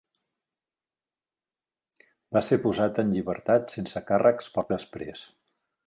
Va ser posat en llibertat sense càrrecs poc després.